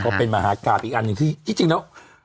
โหลละก็เป็นมหากาศอีกอันนึงที่จริงเนาะ